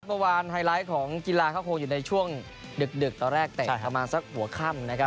เมื่อเมื่อวานไฮไลท์ของกีฬาเขาคงอยู่ในช่วงดึกตอนแรกแต่สักหัวข้ำนะครับ